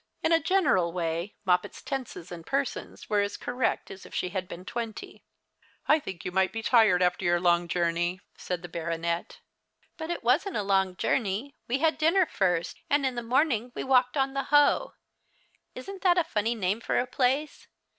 In a general wav Moppet's tenses and persons were as correct as if she had been twenty. " I think you ought to lie tired after your long journey," said the baronet. " But it wasn't a long journey. We had dinner lirst, and in the morning we walked on the Hoe. Isn't that a funny name for a place